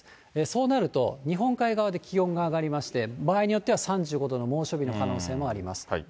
そうなると、日本海側で気温が上がりまして、場合によっては３５度の猛暑日の可能性もあります。